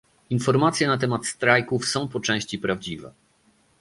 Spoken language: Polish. Informacje na temat strajków są po części prawdziwe